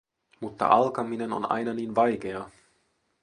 Mutta alkaminen on aina niin vaikea.